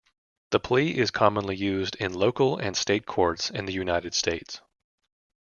The plea is commonly used in local and state courts in the United States.